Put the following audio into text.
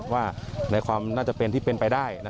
ว่าในความน่าจะเป็นที่เป็นไปได้